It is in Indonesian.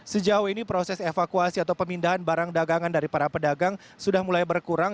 sejauh ini proses evakuasi atau pemindahan barang dagangan dari para pedagang sudah mulai berkurang